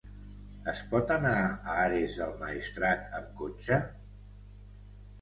Es pot anar a Ares del Maestrat amb cotxe?